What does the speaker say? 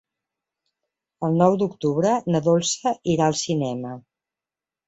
El nou d'octubre na Dolça irà al cinema.